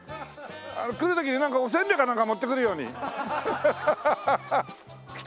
来る時になんかおせんべいかなんか持ってくるように。来た？